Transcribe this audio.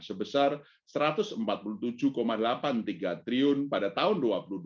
sebesar rp satu ratus empat puluh tujuh delapan puluh tiga triliun pada tahun dua ribu dua puluh